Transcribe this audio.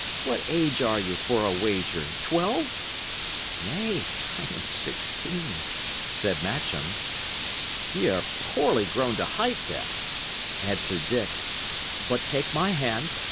What age are ye, for a wager? twelve?" "Nay, I am sixteen," said Matcham. "Y' are poorly grown to height, then," answered Dick. "But take my hand.